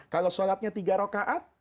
kalau sholatnya tiga rokaat